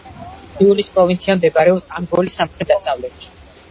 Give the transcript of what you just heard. უილის პროვინცია მდებარეობს ანგოლის სამხრეთ-დასავლეთში.